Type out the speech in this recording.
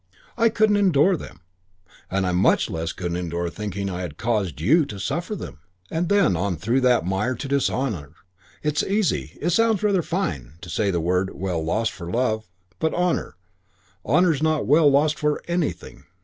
I couldn't endure them; and I much less could endure thinking I had caused you to suffer them. And then on through that mire to dishonour. It's easy, it sounds rather fine, to say the world well lost for love; but honour, honour's not well lost for anything.